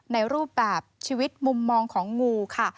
ในรูปแบบชีวิตมุมมองของงูค่ะ